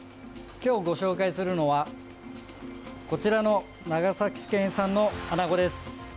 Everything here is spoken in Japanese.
今日ご紹介するのはこちらの長崎県産のアナゴです。